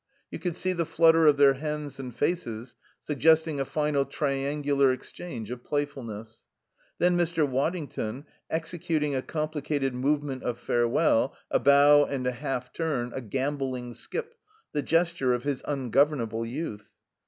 You could see the flutter of their hands and faces, suggesting a final triangular exchange of playfulness. Then Mr. Waddington, executing a complicated movement of farewell, a bow and a half turn, a gambolling skip, the gesture of his ungovernable youth.